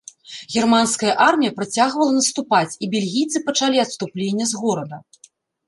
Германская армія працягвала наступаць, і бельгійцы пачалі адступленне з горада.